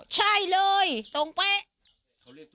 ใช่เลยตรงไป